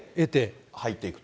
入っていくと。